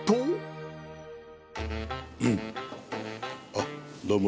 あっどうも。